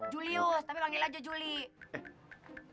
julius tapi panggil aja juli